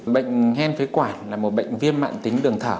bệnh hen phế quản là một bệnh viêm mạng tính đường thở